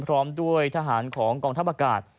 พร้อมด้วยทหารของกองทัพอากาศ